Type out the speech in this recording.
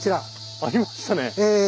ありましたね。